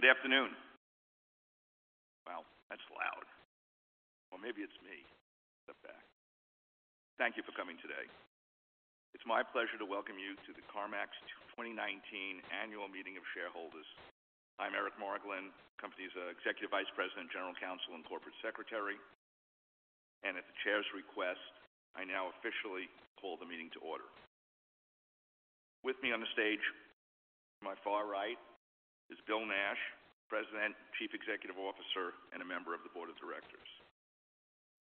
Good afternoon. Wow, that's loud. Or maybe it's me. Step back. Thank you for coming today. It's my pleasure to welcome you to the CarMax 2019 Annual Meeting of Shareholders. I'm Eric Margolin, the company's Executive Vice President, General Counsel, and Corporate Secretary. At the chair's request, I now officially call the meeting to order. With me on the stage, to my far right, is Bill Nash, President, Chief Executive Officer, and a member of the Board of Directors.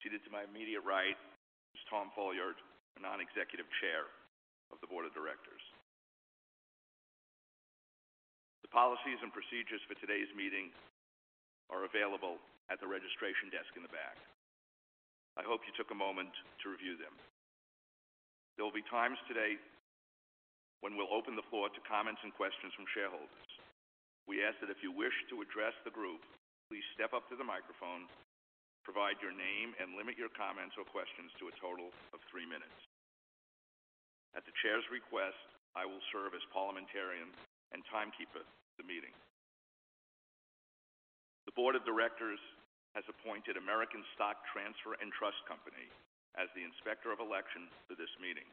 Seated to my immediate right is Tom Folliard, the Non-Executive Chair of the Board of Directors. The policies and procedures for today's meeting are available at the registration desk in the back. I hope you took a moment to review them. There will be times today when we'll open the floor to comments and questions from shareholders. We ask that if you wish to address the group, please step up to the microphone, provide your name, and limit your comments or questions to a total of three minutes. At the chair's request, I will serve as parliamentarian and timekeeper for the meeting. The Board of Directors has appointed American Stock Transfer & Trust Company as the inspector of elections for this meeting.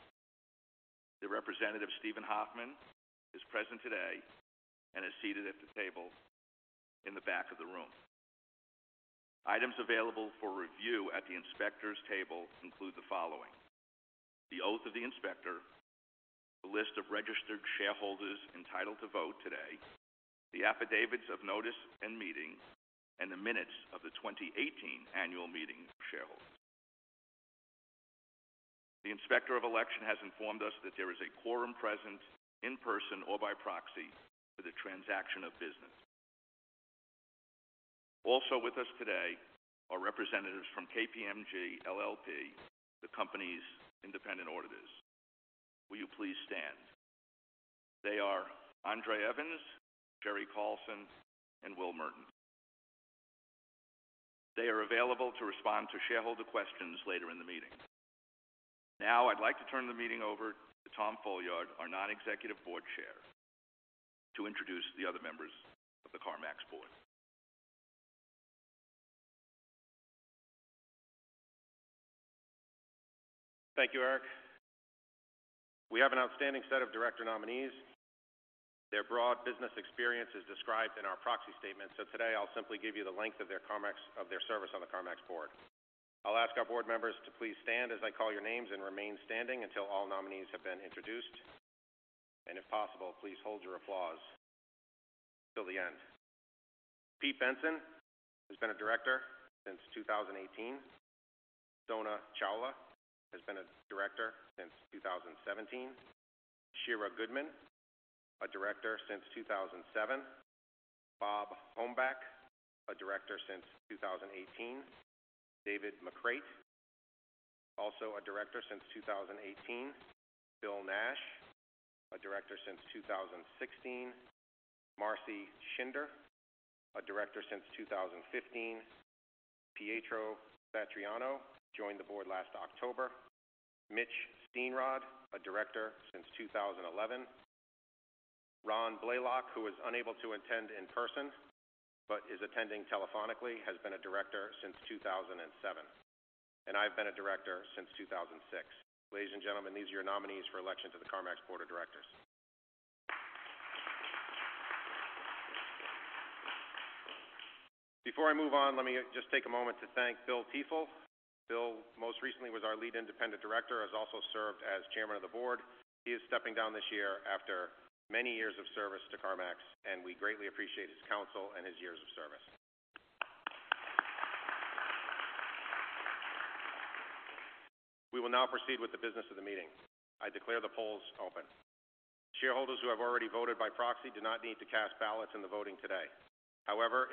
Their representative, Steven Hoffman, is present today and is seated at the table in the back of the room. Items available for review at the inspector's table include the following: the oath of the inspector, the list of registered shareholders entitled to vote today, the affidavits of notice and meeting, and the minutes of the 2018 Annual Meeting of Shareholders. The inspector of election has informed us that there is a quorum present in person or by proxy for the transaction of business. Also with us today are representatives from KPMG LLP, the company's independent auditors. Will you please stand? They are Andre Evans, Jerry Carlson, and Will Merton. They are available to respond to shareholder questions later in the meeting. I'd like to turn the meeting over to Tom Folliard, our Non-Executive Board Chair, to introduce the other members of the CarMax board. Thank you, Eric. We have an outstanding set of director nominees. Their broad business experience is described in our proxy statement, so today I'll simply give you the length of their service on the CarMax board. I'll ask our board members to please stand as I call your names and remain standing until all nominees have been introduced. If possible, please hold your applause till the end. Pete Bensen has been a director since 2018. Sona Chawla has been a director since 2017. Shira Goodman, a director since 2007. Bob Hombach, a director since 2018. David McCreight, also a director since 2018. Bill Nash, a director since 2016. Marci Shinder, a director since 2015. Pietro Satriano joined the board last October. Mitch Steenrod, a director since 2011. Ron Blaylock, who was unable to attend in person but is attending telephonically, has been a director since 2007, and I've been a director since 2006. Ladies and gentlemen, these are your nominees for election to the CarMax Board of Directors. Before I move on, let me just take a moment to thank Bill Tiefel. Bill, most recently, was our Lead Independent Director, has also served as Chairman of the Board. He is stepping down this year after many years of service to CarMax, and we greatly appreciate his counsel and his years of service. We will now proceed with the business of the meeting. I declare the polls open. Shareholders who have already voted by proxy do not need to cast ballots in the voting today.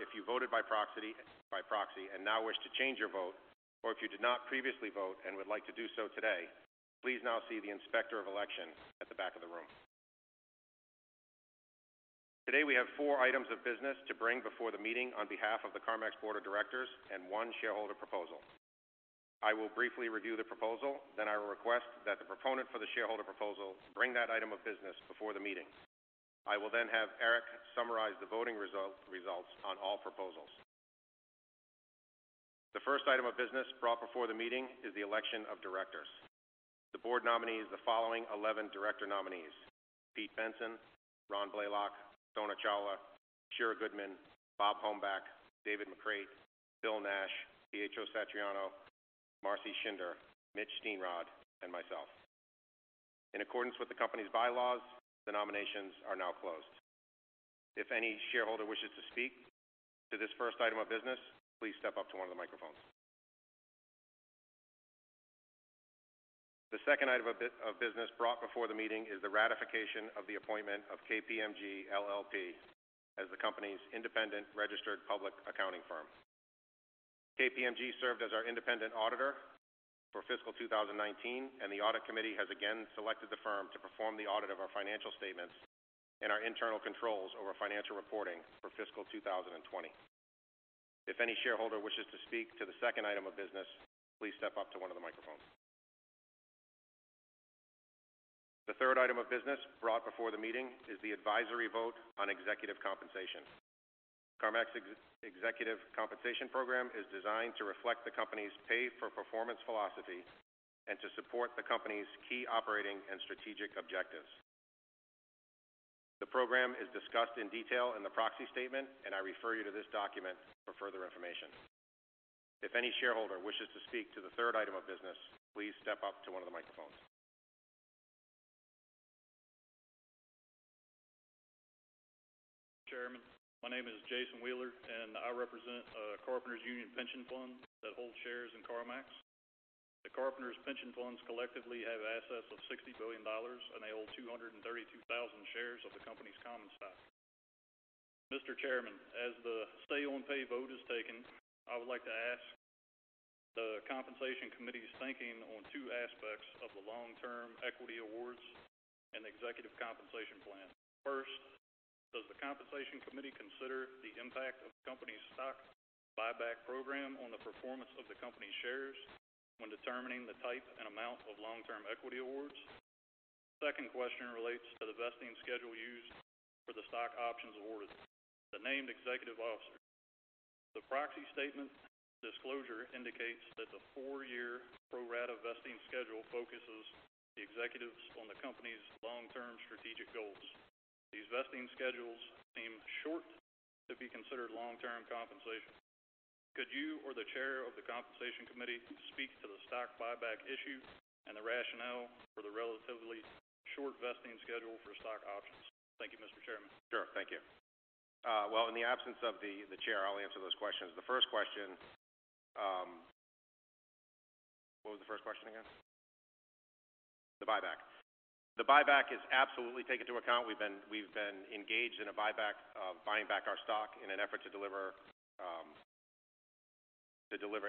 If you voted by proxy and now wish to change your vote, or if you did not previously vote and would like to do so today, please now see the inspector of election at the back of the room. We have four items of business to bring before the meeting on behalf of the CarMax Board of Directors and one shareholder proposal. I will briefly review the proposal, I will request that the proponent for the shareholder proposal bring that item of business before the meeting. I will have Eric summarize the voting results on all proposals. The first item of business brought before the meeting is the election of directors. The board nominees, the following 11 director nominees: Pete Bensen, Ron Blaylock, Sona Chawla, Shira Goodman, Bob Hombach, David McCreight, Bill Nash, Pietro Satriano, Marci Shinder, Mitch Steenrod, and myself. In accordance with the company's bylaws, the nominations are now closed. If any shareholder wishes to speak to this first item of business, please step up to one of the microphones. The second item of business brought before the meeting is the ratification of the appointment of KPMG LLP as the company's independent registered public accounting firm. KPMG served as our independent auditor for fiscal 2019, and the audit committee has again selected the firm to perform the audit of our financial statements and our internal controls over financial reporting for fiscal 2020. If any shareholder wishes to speak to the second item of business, please step up to one of the microphones. The third item of business brought before the meeting is the advisory vote on executive compensation. CarMax executive compensation program is designed to reflect the company's pay-for-performance philosophy and to support the company's key operating and strategic objectives. The program is discussed in detail in the proxy statement, I refer you to this document for further information. If any shareholder wishes to speak to the third item of business, please step up to one of the microphones. Chairman, my name is Jason Wheeler. I represent Carpenters Union Pension Fund that holds shares in CarMax. The Carpenters Pension Funds collectively have assets of $60 billion, and they hold 232,000 shares of the company's common stock. Mr. Chairman, as the say-on-pay vote is taken, I would like to ask the compensation committee's thinking on two aspects of the long-term equity awards and executive compensation plan. First, does the compensation committee consider the impact of the company's stock buyback program on the performance of the company's shares when determining the type and amount of long-term equity awards? Second question relates to the vesting schedule used for the stock options awarded to named executive officers. The proxy statement disclosure indicates that the four-year pro-rata vesting schedule focuses the executives on the company's long-term strategic goals. These vesting schedules seem short to be considered long-term compensation. Could you or the chair of the compensation committee speak to the stock buyback issue and the rationale for the relatively short vesting schedule for stock options? Thank you, Mr. Chairman. Sure. Thank you. Well, in the absence of the chair, I'll answer those questions. The first question What was the first question again? The buyback. The buyback is absolutely taken into account. We've been engaged in a buyback, buying back our stock in an effort to deliver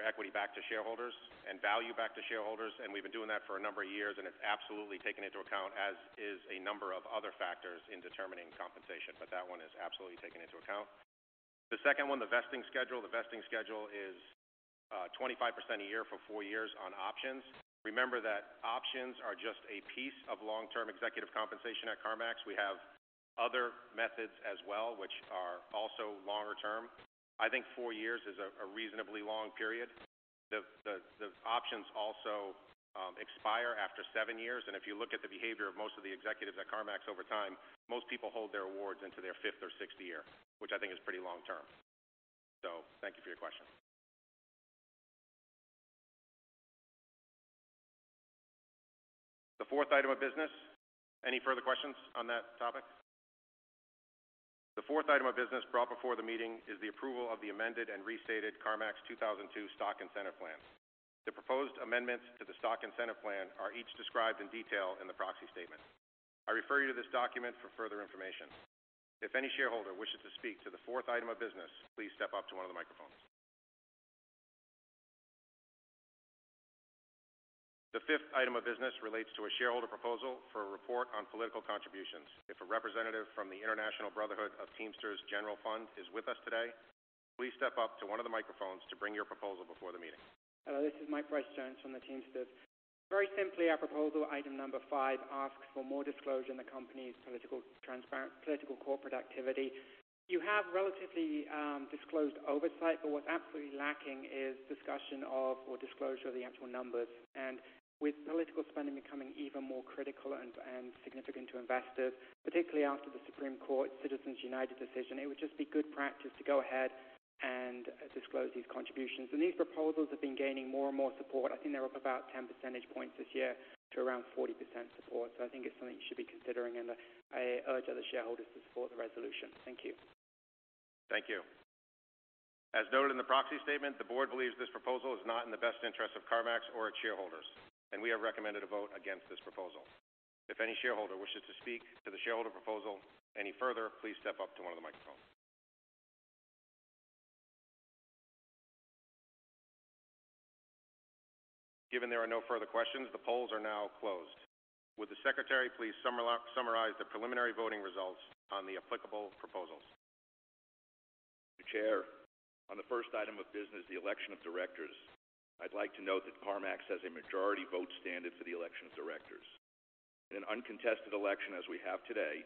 equity back to shareholders and value back to shareholders. We've been doing that for a number of years, and it's absolutely taken into account, as is a number of other factors in determining compensation. That one is absolutely taken into account. The second one, the vesting schedule. The vesting schedule is 25% a year for four years on options. Remember that options are just a piece of long-term executive compensation at CarMax. We have other methods as well, which are also longer term. I think four years is a reasonably long period. The options also expire after seven years. If you look at the behavior of most of the executives at CarMax over time, most people hold their awards into their fifth or sixth year, which I think is pretty long term. Thank you for your question. The fourth item of business Any further questions on that topic? The fourth item of business brought before the meeting is the approval of the amended and restated CarMax 2002 Stock Incentive Plan. The proposed amendments to the Stock Incentive Plan are each described in detail in the proxy statement. I refer you to this document for further information. If any shareholder wishes to speak to the fourth item of business, please step up to one of the microphones. The fifth item of business relates to a shareholder proposal for a report on political contributions. If a representative from the International Brotherhood of Teamsters General Fund is with us today, please step up to one of the microphones to bring your proposal before the meeting. Hello, this is Mike Pryce-Jones from the Teamsters. Very simply, our proposal, item number five, asks for more disclosure on the company's political corporate activity. You have relatively disclosed oversight, but what's absolutely lacking is discussion of or disclosure of the actual numbers. With political spending becoming even more critical and significant to investors, particularly after the Supreme Court Citizens United decision, it would just be good practice to go ahead and disclose these contributions. These proposals have been gaining more and more support. I think they're up about 10 percentage points this year to around 40% support. I think it's something you should be considering, and I urge other shareholders to support the resolution. Thank you. Thank you. As noted in the proxy statement, the board believes this proposal is not in the best interest of CarMax or its shareholders, and we have recommended a vote against this proposal. If any shareholder wishes to speak to the shareholder proposal any further, please step up to one of the microphones. Given there are no further questions, the polls are now closed. Would the secretary please summarize the preliminary voting results on the applicable proposals? Mr. Chair, on the first item of business, the election of directors, I'd like to note that CarMax has a majority vote standard for the election of directors. In an uncontested election as we have today,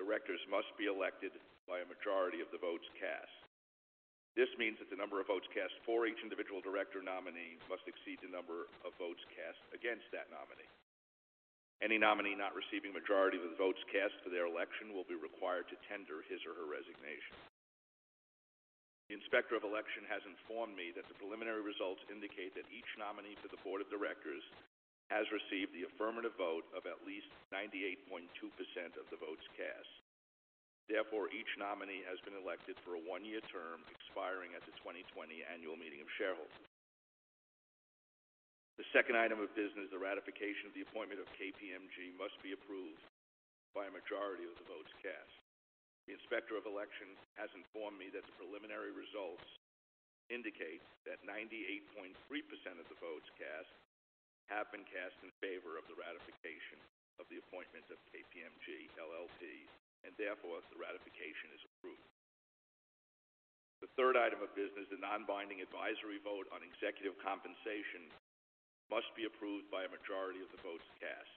directors must be elected by a majority of the votes cast. This means that the number of votes cast for each individual director nominee must exceed the number of votes cast against that nominee. Any nominee not receiving a majority of the votes cast for their election will be required to tender his or her resignation. The Inspector of Election has informed me that the preliminary results indicate that each nominee for the board of directors has received the affirmative vote of at least 98.2% of the votes cast. Therefore, each nominee has been elected for a one-year term expiring at the 2020 annual meeting of shareholders. The second item of business, the ratification of the appointment of KPMG, must be approved by a majority of the votes cast. The Inspector of Election has informed me that the preliminary results indicate that 98.3% of the votes cast have been cast in favor of the ratification, and therefore the ratification is approved. The third item of business, the non-binding advisory vote on executive compensation must be approved by a majority of the votes cast.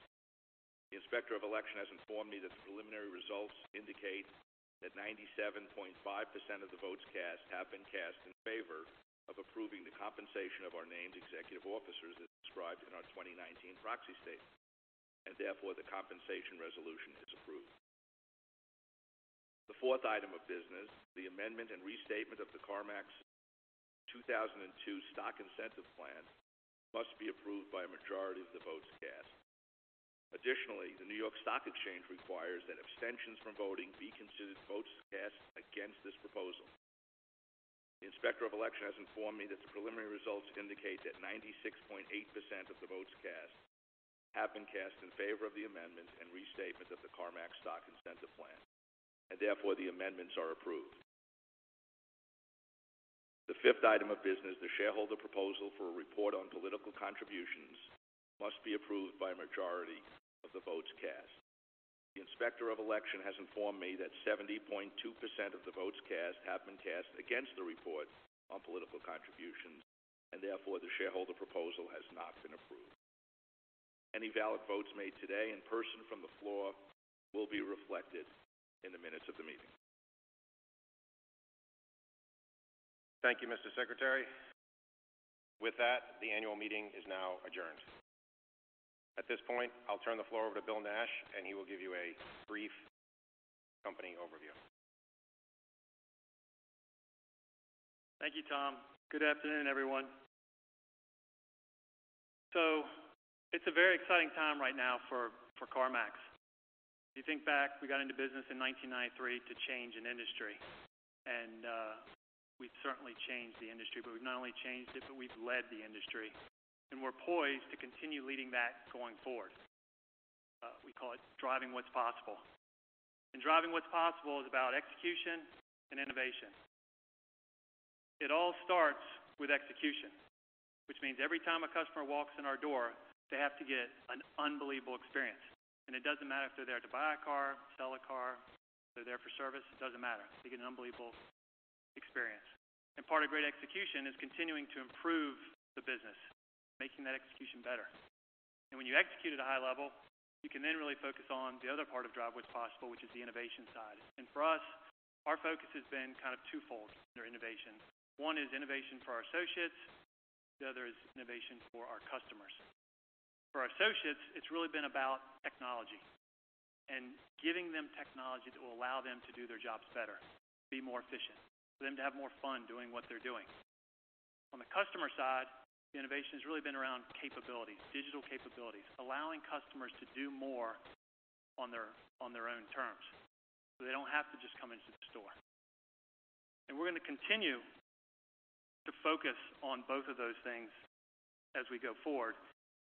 The Inspector of Election has informed me that the preliminary results indicate that 97.5% of the votes cast have been cast in favor of approving the compensation of our named executive officers as described in our 2019 proxy statement, and therefore the compensation resolution is approved. The fourth item of business, the amendment and restatement of the CarMax 2002 Stock Incentive Plan must be approved by a majority of the votes cast. The New York Stock Exchange requires that abstentions from voting be considered votes cast against this proposal. The Inspector of Election has informed me that the preliminary results indicate that 96.8% of the votes cast have been cast in favor of the amendment and restatement of the CarMax Stock Incentive Plan, and therefore the amendments are approved. The fifth item of business, the shareholder proposal for a report on political contributions must be approved by a majority of the votes cast. The Inspector of Election has informed me that 70.2% of the votes cast have been cast against the report on political contributions, and therefore the shareholder proposal has not been approved. Any valid votes made today in person from the floor will be reflected in the minutes of the meeting. Thank you, Mr. Secretary. The annual meeting is now adjourned. At this point, I'll turn the floor over to Bill Nash and he will give you a brief company overview. Thank you, Tom. Good afternoon, everyone. It's a very exciting time right now for CarMax. You think back, we got into business in 1993 to change an industry and we've certainly changed the industry, but we've not only changed it, but we've led the industry and we're poised to continue leading that going forward. We call it driving what's possible. Driving what's possible is about execution and innovation. It all starts with execution, which means every time a customer walks in our door, they have to get an unbelievable experience. It doesn't matter if they're there to buy a car, sell a car, they're there for service, it doesn't matter. They get an unbelievable experience. Part of great execution is continuing to improve the business, making that execution better. When you execute at a high level, you can then really focus on the other part of drive what's possible, which is the innovation side. For us, our focus has been kind of twofold under innovation. One is innovation for our associates, the other is innovation for our customers. For our associates, it's really been about technology and giving them technology that will allow them to do their jobs better, be more efficient for them to have more fun doing what they're doing. On the customer side, the innovation has really been around capabilities, digital capabilities, allowing customers to do more on their own terms so they don't have to just come into the store. We're going to continue to focus on both of those things as we go forward.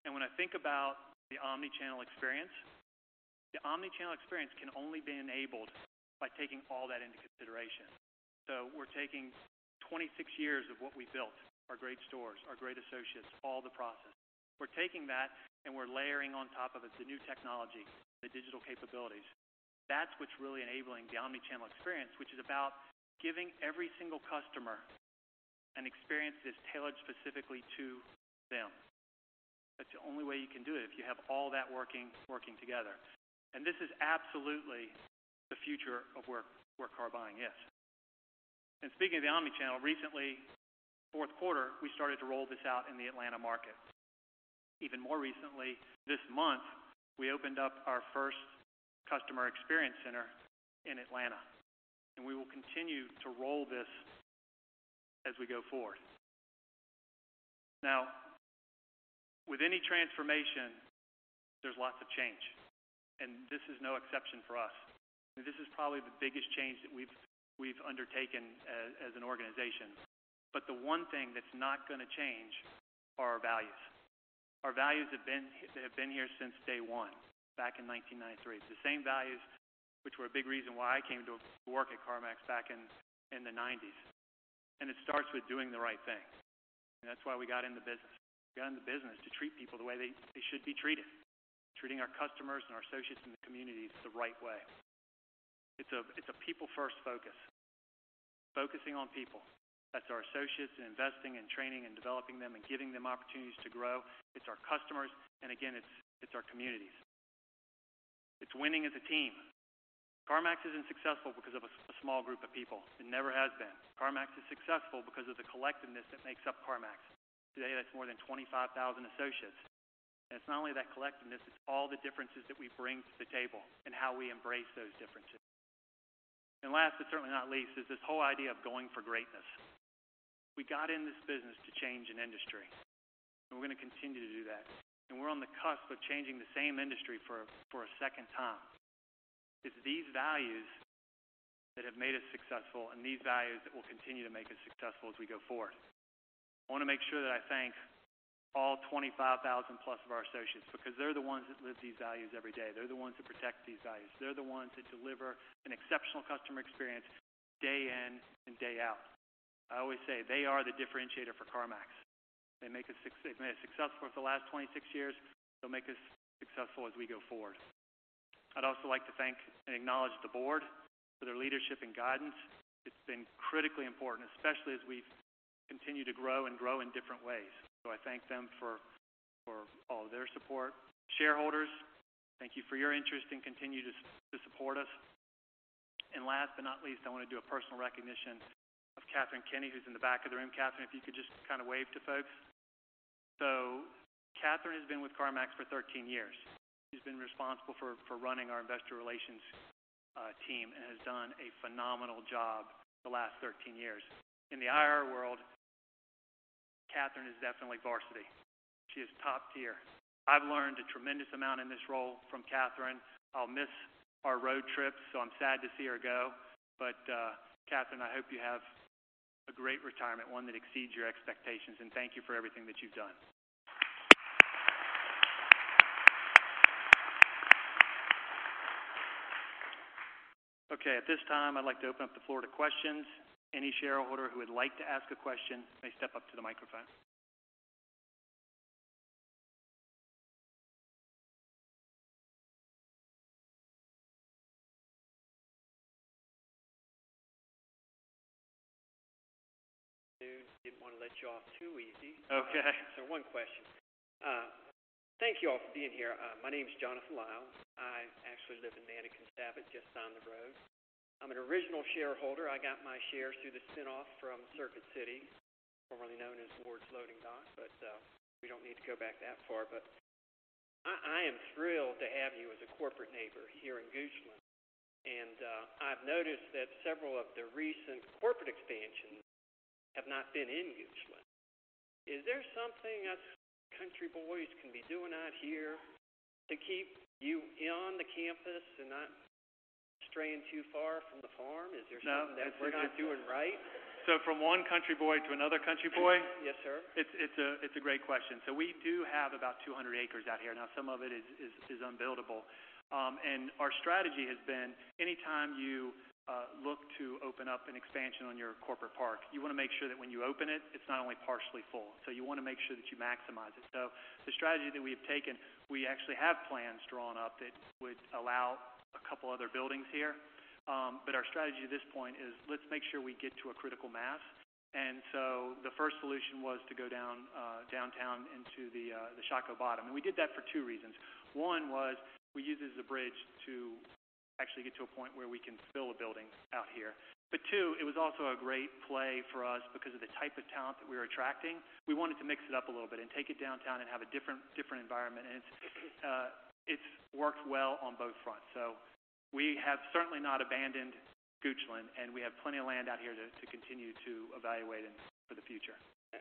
When I think about the omnichannel experience, the omnichannel experience can only be enabled by taking all that into consideration. We're taking 26 years of what we built, our great stores, our great associates, all the process. We're taking that and we're layering on top of it the new technology, the digital capabilities. That's what's really enabling the omnichannel experience, which is about giving every single customer an experience that's tailored specifically to them. That's the only way you can do it if you have all that working together. This is absolutely the future of where car buying is. Speaking of the omnichannel, recently, fourth quarter, we started to roll this out in the Atlanta market. Even more recently, this month, we opened up our first customer experience center in Atlanta, and we will continue to roll this as we go forward. Now, with any transformation, there's lots of change, this is no exception for us. This is probably the biggest change that we've undertaken as an organization. The one thing that's not going to change are our values. Our values have been here since day one back in 1993. It's the same values which were a big reason why I came to work at CarMax back in the '90s, it starts with doing the right thing. That's why we got in the business. We got in the business to treat people the way they should be treated. Treating our customers and our associates and the communities the right way. It's a people first focus, focusing on people. That's our associates and investing and training and developing them and giving them opportunities to grow. It's our customers and again, it's our communities. It's winning as a team. CarMax isn't successful because of a small group of people. It never has been. CarMax is successful because of the collectiveness that makes up CarMax. Today, that's more than 25,000 associates. It's not only that collectiveness, it's all the differences that we bring to the table and how we embrace those differences. Last but certainly not least, is this whole idea of going for greatness. We got in this business to change an industry, we're going to continue to do that. We're on the cusp of changing the same industry for a second time. It's these values that have made us successful and these values that will continue to make us successful as we go forward. I want to make sure that I thank all 25,000 plus of our associates because they're the ones that live these values every day. They're the ones that protect these values. They're the ones that deliver an exceptional customer experience day in and day out. I always say they are the differentiator for CarMax. They made us successful for the last 26 years. They'll make us successful as we go forward. I'd also like to thank and acknowledge the board for their leadership and guidance. It's been critically important, especially as we continue to grow and grow in different ways. I thank them for all their support. Shareholders, thank you for your interest and continue to support us. Last but not least, I want to do a personal recognition of Katharine Kenny, who's in the back of the room. Katharine, if you could just kind of wave to folks. Katharine has been with CarMax for 13 years. She's been responsible for running our investor relations team and has done a phenomenal job the last 13 years. In the IR world, Katharine is definitely varsity. She is top tier. I've learned a tremendous amount in this role from Katharine. I'll miss our road trips, so I'm sad to see her go. Katharine, I hope you have a great retirement, one that exceeds your expectations, and thank you for everything that you've done. At this time, I'd like to open up the floor to questions. Any shareholder who would like to ask a question may step up to the microphone. Dude, didn't want to let you off too easy. Okay. One question. Thank you all for being here. My name's Jonathan Lyles. I actually live in Manakin-Sabot, just down the road. I'm an original shareholder. I got my shares through the spinoff from Circuit City, formerly known as The Loading Dock, but we don't need to go back that far. I am thrilled to have you as a corporate neighbor here in Goochland, and I've noticed that several of the recent corporate expansions have not been in Goochland. Is there something us country boys can be doing out here to keep you on the campus and not straying too far from the farm? Is there something that we're not doing right? From one country boy to another country boy. Yes, sir. It's a great question. We do have about 200 acres out here. Some of it is unbuildable. Our strategy has been anytime you look to open up an expansion on your corporate park, you want to make sure that when you open it's not only partially full. You want to make sure that you maximize it. The strategy that we've taken, we actually have plans drawn up that would allow a couple other buildings here. Our strategy at this point is let's make sure we get to a critical mass. The first solution was to go downtown into the Shockoe Bottom. We did that for two reasons. One was, we use it as a bridge to actually get to a point where we can fill a building out here. Two, it was also a great play for us because of the type of talent that we were attracting. We wanted to mix it up a little bit and take it downtown and have a different environment, and it's worked well on both fronts. We have certainly not abandoned Goochland, and we have plenty of land out here to continue to evaluate for the future.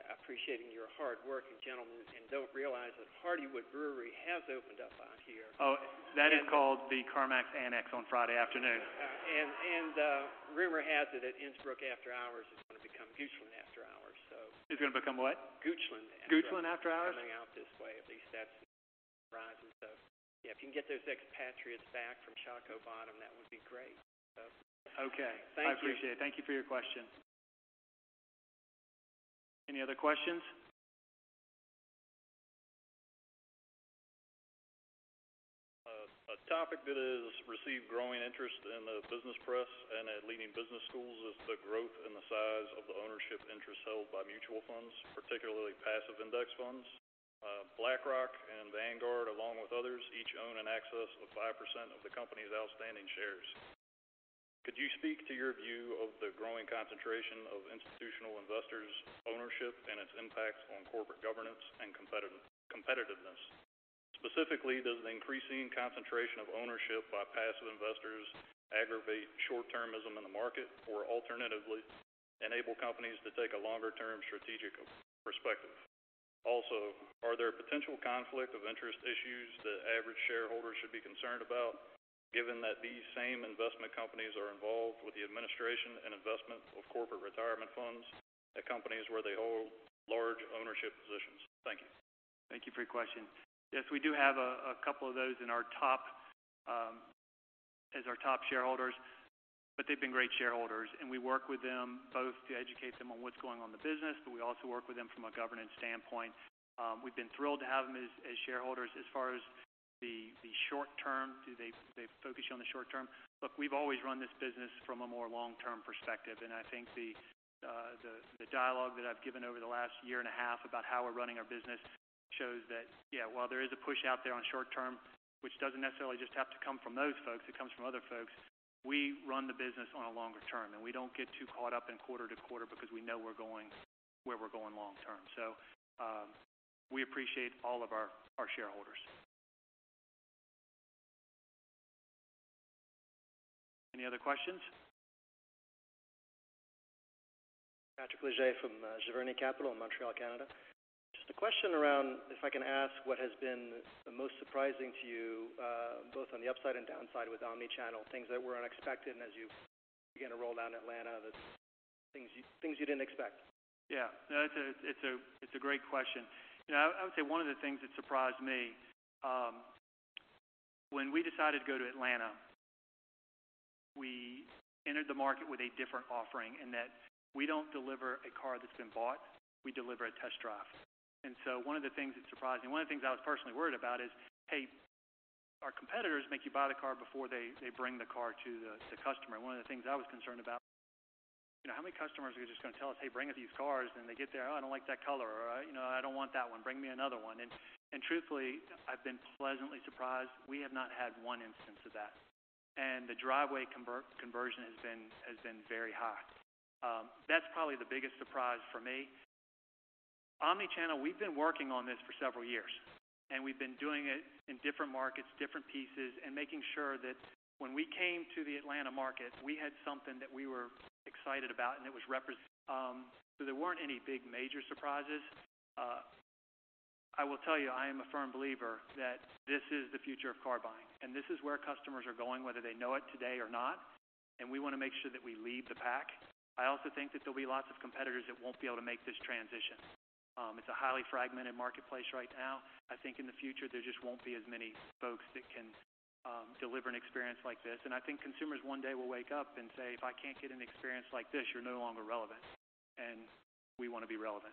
Appreciating your hard work, gentlemen, don't realize that Hardywood Brewery has opened up out here. That is called the CarMax Annex on Friday afternoon. Rumor has it that Innsbrook After Hours is going to become Goochland After Hours. Is going to become what? Innsbrook After Hours. Innsbrook After Hours? Coming out this way, at least that's the rumor rising. Yeah, if you can get those expatriates back from Shockoe Bottom, that would be great. Thank you. Okay. I appreciate it. Thank you for your question. Any other questions? A topic that has received growing interest in the business press and at leading business schools is the growth and the size of the ownership interest held by mutual funds, particularly passive index funds. BlackRock and The Vanguard Group, along with others, each own in excess of 5% of the company's outstanding shares. Could you speak to your view of the growing concentration of institutional investors' ownership and its impact on corporate governance and competitiveness? Specifically, does the increasing concentration of ownership by passive investors aggravate short-termism in the market, or alternatively, enable companies to take a longer-term strategic perspective? Also, are there potential conflict of interest issues that average shareholders should be concerned about, given that these same investment companies are involved with the administration and investment of corporate retirement funds at companies where they hold large ownership positions? Thank you. Thank you for your question. Yes, we do have a couple of those as our top shareholders, but they've been great shareholders, and we work with them both to educate them on what's going on in the business, but we also work with them from a governance standpoint. We've been thrilled to have them as shareholders. As far as the short term, do they focus you on the short term? Look, we've always run this business from a more long-term perspective, and I think the dialogue that I've given over the last year and a half about how we're running our business shows that, while there is a push out there on short term, which doesn't necessarily just have to come from those folks, it comes from other folks, we run the business on a longer term, and we don't get too caught up in quarter to quarter because we know where we're going long term. We appreciate all of our shareholders. Any other questions? Patrick Léger from Giverny Capital in Montreal, Canada. Just a question around, if I can ask what has been the most surprising to you, both on the upside and downside with omnichannel, things that were unexpected and as you begin to roll out in Atlanta, the things you didn't expect. Yeah, no, it's a great question. I would say one of the things that surprised me when we decided to go to Atlanta, we entered the market with a different offering in that we don't deliver a car that's been bought, we deliver a test drive. One of the things that surprised me, one of the things I was personally worried about is, hey, our competitors make you buy the car before they bring the car to the customer. One of the things I was concerned about, how many customers are just going to tell us, "Hey, bring us these cars," then they get there, "Oh, I don't like that color," or, "I don't want that one, bring me another one." Truthfully, I've been pleasantly surprised. We have not had one instance of that. The driveway conversion has been very high. That's probably the biggest surprise for me. Omnichannel, we've been working on this for several years, we've been doing it in different markets, different pieces, making sure that when we came to the Atlanta market, we had something that we were excited about, it was representing. There weren't any big major surprises. I will tell you, I am a firm believer that this is the future of car buying, this is where customers are going, whether they know it today or not, we want to make sure that we lead the pack. I also think that there'll be lots of competitors that won't be able to make this transition. It's a highly fragmented marketplace right now. I think in the future, there just won't be as many folks that can deliver an experience like this. I think consumers one day will wake up and say, "If I can't get an experience like this, you're no longer relevant." We want to be relevant.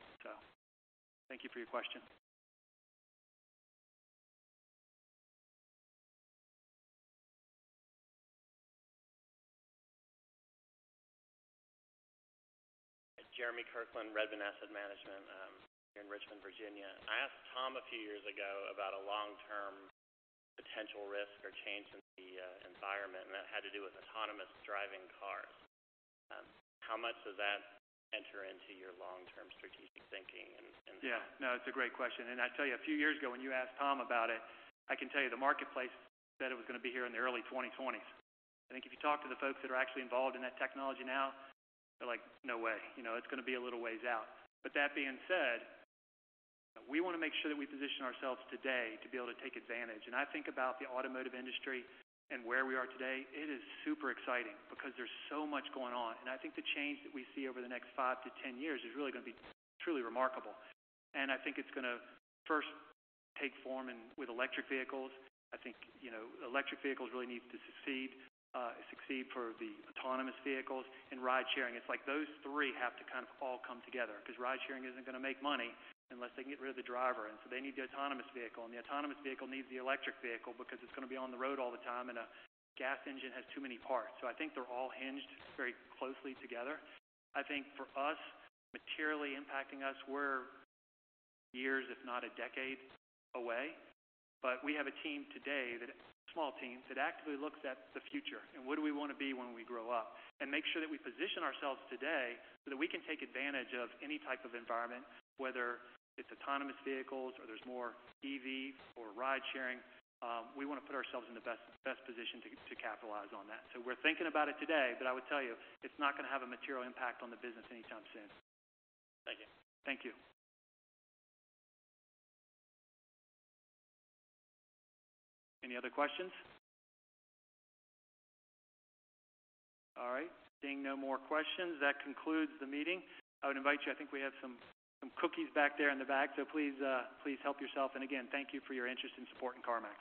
Thank you for your question. Jeremy Kirkland, Redmond Asset Management here in Richmond, Virginia. I asked Tom a few years ago about a long-term potential risk or change in the environment, that had to do with autonomous driving cars. How much does that enter into your long-term strategic thinking and- No, it's a great question. I tell you, a few years ago when you asked Tom about it, I can tell you the marketplace said it was going to be here in the early 2020s. I think if you talk to the folks that are actually involved in that technology now, they're like, "No way. It's going to be a little ways out." That being said, we want to make sure that we position ourselves today to be able to take advantage. I think about the automotive industry and where we are today. It is super exciting because there's so much going on. I think the change that we see over the next five to 10 years is really going to be truly remarkable. I think it's going to first take form with electric vehicles. I think electric vehicles really need to succeed for the autonomous vehicles and ride-sharing. It's like those three have to kind of all come together because ride-sharing isn't going to make money unless they can get rid of the driver. They need the autonomous vehicle, and the autonomous vehicle needs the electric vehicle because it's going to be on the road all the time, and a gas engine has too many parts. I think they're all hinged very closely together. I think for us, materially impacting us, we're years, if not a decade away. We have a team today, a small team, that actively looks at the future and what do we want to be when we grow up. Make sure that we position ourselves today so that we can take advantage of any type of environment, whether it's autonomous vehicles or there's more EVs or ride-sharing. We want to put ourselves in the best position to capitalize on that. We're thinking about it today, I would tell you, it's not going to have a material impact on the business anytime soon. Thank you. Thank you. Any other questions? All right. Seeing no more questions, that concludes the meeting. I would invite you, I think we have some cookies back there in the back, please help yourself. Again, thank you for your interest and support in CarMax.